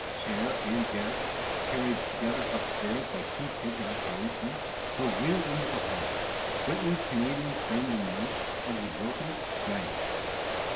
Chair and guest, car ried together up stairs by two capable policemen, were wheeled into the hall, Whitman's Canadian friend and nurse, Edward Wilkins, guiding.